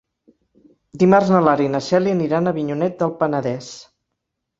Dimarts na Lara i na Cèlia aniran a Avinyonet del Penedès.